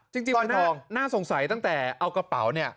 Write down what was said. จริงจริงคุณน่าน่าสงสัยตั้งแต่เอากระเป๋าเนี่ย